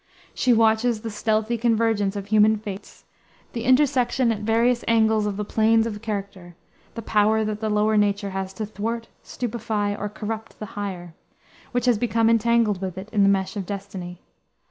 She watches "the stealthy convergence of human fates," the intersection at various angles of the planes of character, the power that the lower nature has to thwart, stupefy, or corrupt the higher, which has become entangled with it in the mesh of destiny.